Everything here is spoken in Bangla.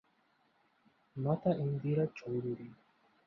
মাতা ইন্দিরা চৌধুরী।